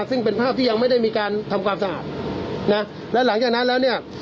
ซึ่งเป็นภาพที่ยังไม่ได้มีการทำความสะอาดนะและหลังจากนั้นแล้วเนี่ย